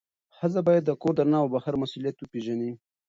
ښځه باید د کور دننه او بهر مسئولیت وپیژني.